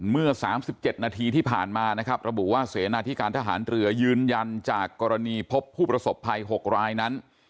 เมื่อ๓๗นาทีที่ผ่านมานะครับระบุว่าเสนาธิการทหารเรือยืนยันจากกรณีพบผู้ประสบภัย๖รายนั้น